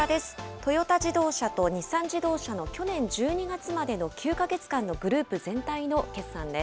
トヨタ自動車と日産自動車の去年１２月までの９か月間のグループ全体の決算です。